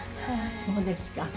そうですか。